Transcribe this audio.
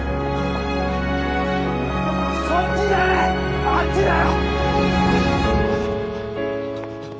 そっちじゃねえあっちだよ・